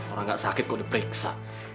orang gak sakit kok udah periksa